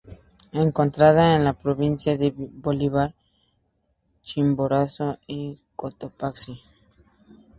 Encontrada en las provincias de Bolívar, Chimborazo y Cotopaxi.